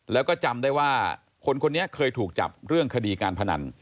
แล้วก็จำได้ว่าคนคนนี้เคยถูกจับเรื่องคดีการพนัน